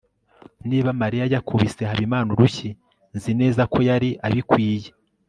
niba mariya yakubise habimana urushyi, nzi neza ko yari abikwiye